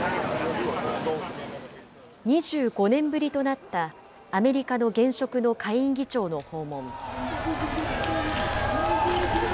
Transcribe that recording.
２５年ぶりとなった、アメリカの現職の下院議長の訪問。